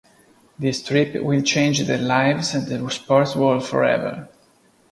This trip will change their lives and the sports world forever.